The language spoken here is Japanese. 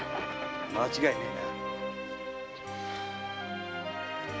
間違いねぇな。